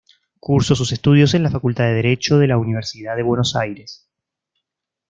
Cursó sus estudios en la Facultad de Derecho de la Universidad de Buenos Aires.